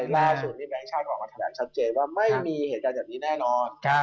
แล้วอันหน้าสูตรนี้แบงค์ชาติออกมาแสดงชัดเจนว่าไม่มีเหตุการณ์อย่างนี้แน่นอน